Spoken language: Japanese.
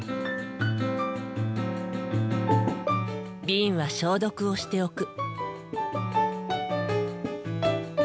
瓶は消毒をしておく。